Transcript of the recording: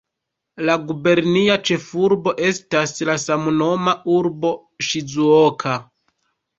La gubernia ĉefurbo estas la samnoma urbo Ŝizuoka.